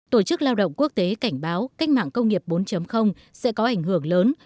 tổ chức lao động quốc tế cảnh báo cách mạng công nghiệp bốn sẽ có ảnh hưởng lớn